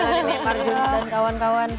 ini marjo dan kawan kawan